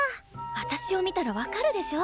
私を見たら分かるでしょ？